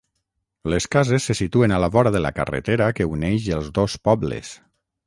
Les cases se situen a la vora de la carretera que uneix els dos pobles.